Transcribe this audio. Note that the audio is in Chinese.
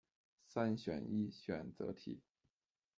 三选一选择题。